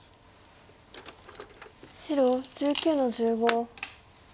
白１９の十五。